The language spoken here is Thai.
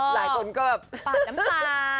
หลายคนก็แบบปาดน้ำตา